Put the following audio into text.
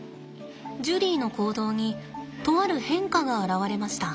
ジュリーの行動にとある変化が現れました。